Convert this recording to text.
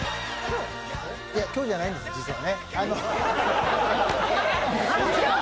今日じゃないんです、実はね。